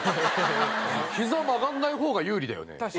ヒザは曲がらない方が有利だよね。